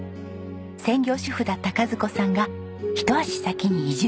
専業主婦だった賀津子さんがひと足先に移住しました。